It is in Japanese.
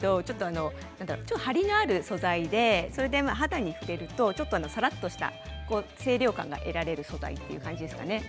ちょっと張りのある素材で肌に触れるとさらっとした清涼感が得られる素材という感じですかね。